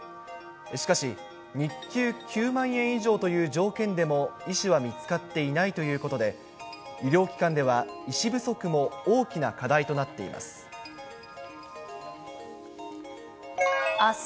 しかし、日給９万円以上という条件でも、医師は見つかっていないということで、医療機関では、医師不足も大きな課題となっています。